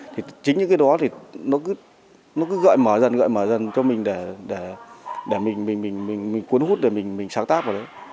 thì chính những cái đó thì nó cứ gợi mở dần gợi mở dần cho mình để mình cuốn hút để mình sáng tác vào đấy